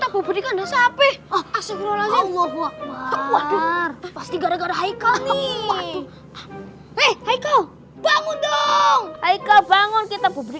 beri ke nasabah kamu dimakan sapi